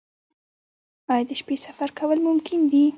آیا د شپې سفر کول ممکن دي؟